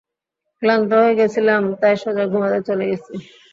ক্লান্ত হয়ে গেছিলাম, তাই সোজা ঘুমাতে চলে গেছি।